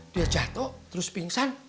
dia jatoh terus pingsan